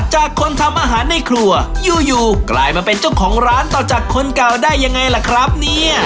จากคนทำอาหารในครัวอยู่อยู่กลายมาเป็นเจ้าของร้านต่อจากคนเก่าได้ยังไงล่ะครับเนี่ย